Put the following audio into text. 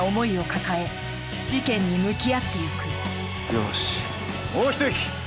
よしもう一息！